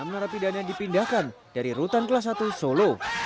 enam narapidana dipindahkan dari rutan kelas satu solo